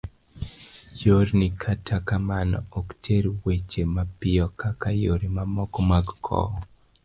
yorni kata kamano, ok ter weche mapiyo kaka yore mamoko mag kowo